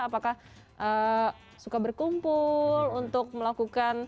apakah suka berkumpul untuk melakukan